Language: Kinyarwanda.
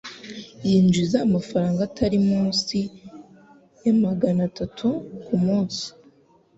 Yinjiza amafaranga atari munsi ya magana atatu kumunsi.